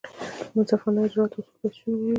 د منصفانه اجراآتو اصول باید شتون ولري.